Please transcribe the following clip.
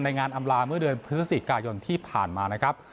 ในงานอำราภิเวื่อเดือนพฤษศักดิ์กายนท่านที่ผ่านมานะครับ